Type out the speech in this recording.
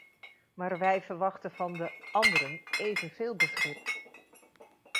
Maar wij verwachten van de "anderen” evenveel begrip.